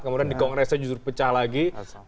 kemudian di kongresnya justru pecah lagi